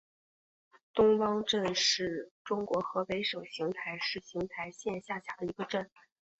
东汪镇是中国河北省邢台市邢台县下辖的一个镇。